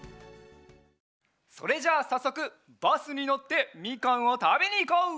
それじゃあさっそくバスにのってみかんをたべにいこう！